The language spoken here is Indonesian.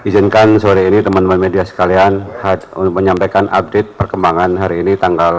terima kasih sudah hadir di sini